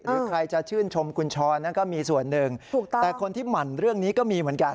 หรือใครจะชื่นชมคุณช้อนนั้นก็มีส่วนหนึ่งถูกต้องแต่คนที่หมั่นเรื่องนี้ก็มีเหมือนกัน